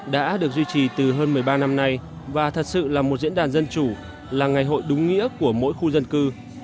đã được duy trì từ hơn một mươi ba năm nay và thật sự là một diễn đàn dân chủ là ngày hội đúng nghĩa của mỗi khu dân cư